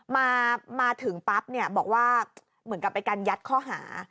มาถึงปั๊บบอกว่าเหมือนกับไปกันยัดข้อหา